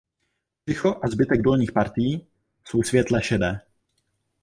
Břicho a zbytek dolních partií jsou světle šedé.